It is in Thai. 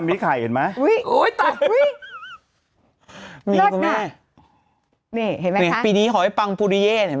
มีไข่เห็นไหมอุ้ยโอ้ยนี่คุณแม่นี่เห็นไหมคะปีนี้ขอให้ปังปูริเย่เห็นไหม